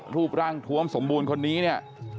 รูปร่างทวมสมบูรณ์คนนี้เนี่ย